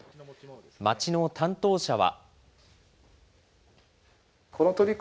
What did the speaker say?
町の担当者は。